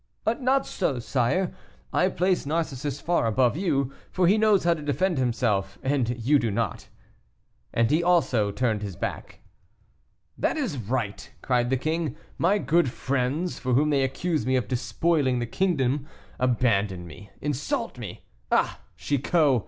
"Not so, sire; I place Narcissus far above you, for he knows how to defend himself, and you do not." And he also turned his back. "That is right," cried the king, "my good friends, for whom they accuse me of despoiling the kingdom, abandon me, insult me! Ah, Chicot!